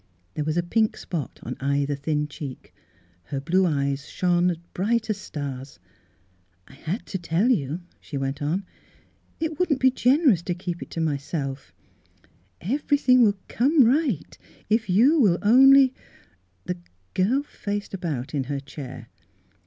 There was a pink spot on either thin cheek. Her blue eyes shone bright as stars. " I had to tell you," she went on. " It wouldn't be generous to keep it to Mm Fhilura's Wedding Gown myself. Everything will come right, if you will only —" The girl faced about in her chair.